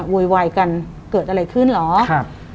โวยวายกันเกิดอะไรขึ้นเหรอครับ